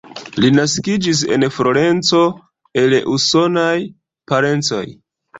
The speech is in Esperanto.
Li naskiĝis en Florenco el usonaj parencoj.